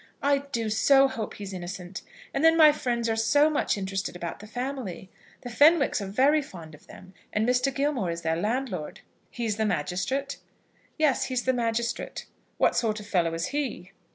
"I do so hope he is innocent! And then my friends are so much interested about the family. The Fenwicks are very fond of them, and Mr. Gilmore is their landlord." "He is the magistrate?" "Yes, he is the magistrate." "What sort of fellow is he?"